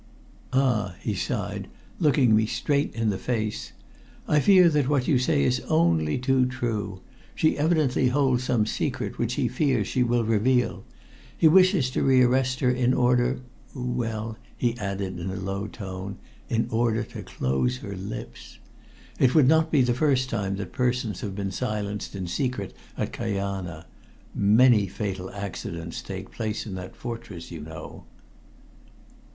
"Ah!" he sighed, looking me straight in the face, "I fear that what you say is only too true. She evidently holds some secret which he fears she will reveal. He wishes to rearrest her in order well " he added in a low tone, "in order to close her lips. It would not be the first time that persons have been silenced in secret at Kajana. Many fatal accidents take place in that fortress, you know."